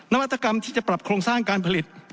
นวัตกรรมที่จะปรับโครงสร้างการผลิต